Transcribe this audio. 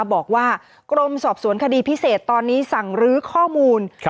บอกว่ากรมสอบสวนคดีพิเศษตอนนี้สั่งรื้อข้อมูล